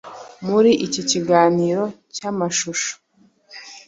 Muri iki kiganiro cy’amashusho